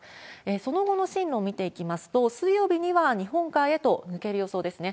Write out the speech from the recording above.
その後の進路を見ていきますと、水曜日には日本海へと抜ける予想ですね。